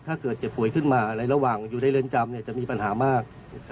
ถ้าเกิดเจ็บป่วยขึ้นมาในระหว่างอยู่ในเรือนจำจะมีปัญหามาก